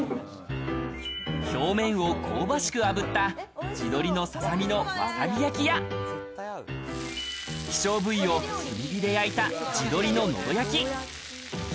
表面を香ばしくあぶった地鶏のささみのわさび焼きや希少部位を炭火で焼いた地鶏の、のど焼き。